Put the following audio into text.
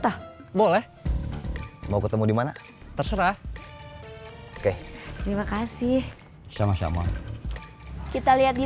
kalau permission noter pertahankanaga spesifik yang zurikannya